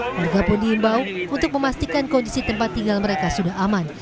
warga pun diimbau untuk memastikan kondisi tempat tinggal mereka sudah aman